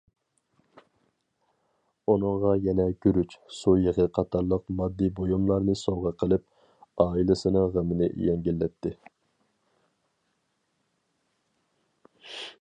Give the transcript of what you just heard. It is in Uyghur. ئۇنىڭغا يەنە گۈرۈچ، سۇيېغى قاتارلىق ماددىي بۇيۇملارنى سوۋغا قىلىپ، ئائىلىسىنىڭ غېمىنى يەڭگىللەتتى.